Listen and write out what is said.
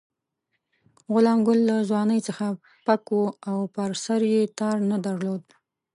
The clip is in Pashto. غلام ګل له ځوانۍ څخه پک وو او پر سر یې تار نه درلود.